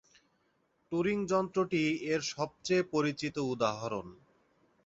Turing যন্ত্রটি এর সবচেয়ে পরিচিত উদাহরণ।